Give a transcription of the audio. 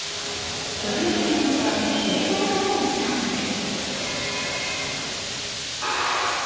ドルーリー選手は大外からのスタートです。